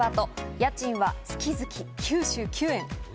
家賃は月々９９円。